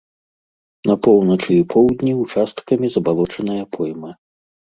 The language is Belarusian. На поўначы і поўдні ўчасткамі забалочаная пойма.